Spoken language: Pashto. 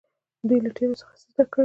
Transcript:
دوی له تیرو څخه زده کړه کوي.